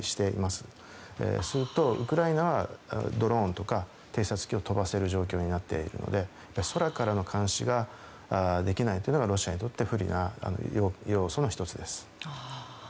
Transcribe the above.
すると、ウクライナはドローンとか偵察機を飛ばせる状況になっているので空からの監視ができないというのがロシアにとって不利な要素の１つです。